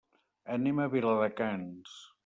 Anem a Viladecans.